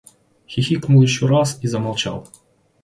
Хихикнул еще раз — и замолчал.